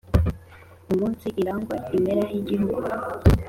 Umunsi irangwa impera y'igihugu